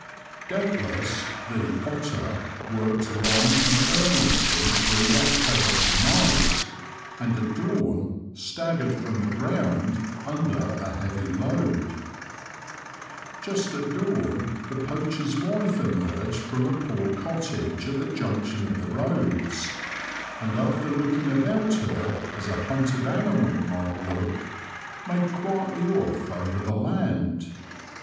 Doubtless the ''Otter" worked long and earnestly through that terrible night, and at dawn staggered from the ground under a heavy load. 88 The Confessions of a Poacher, Just at dawn the poacher's wife emerged from a poor cottage at the junction of the roads, and after looking about her as a hunted animal might look, made quietly off over the land.